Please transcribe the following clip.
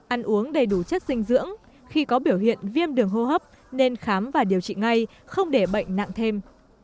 ăn uống đầy đủ chất dinh dưỡng khi có biểu hiện viêm đường hô hấp nên khám và điều trị ngay không để bệnh nặng thêm